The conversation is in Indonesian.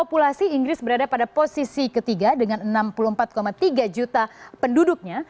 populasi inggris berada pada posisi ketiga dengan enam puluh empat tiga juta penduduknya